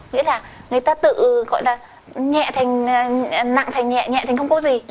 nghĩa là người ta tự gọi là nhẹ thành nặng thành nhẹ nhẹ thành không có gì